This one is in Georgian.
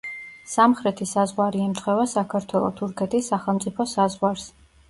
სამხრეთი საზღვარი ემთხვევა საქართველო-თურქეთის სახელმწიფო საზღვარს.